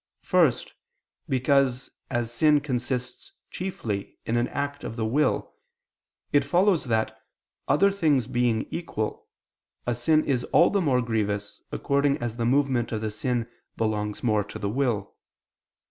First, because, as sin consists chiefly in an act of the will, it follows that, other things being equal, a sin is all the more grievous, according as the movement of the sin belongs more to the will.